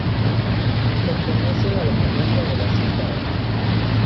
Pertenece a la familia de la cítara.